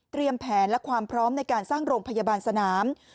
แผนและความพร้อมในการสร้างโรงพยาบาลสนาม